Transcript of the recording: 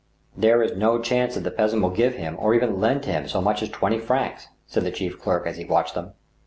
" There is no chance that the peasant will give him, or even lend him, so much as twenty francs," said the chief clerk, as he watched them.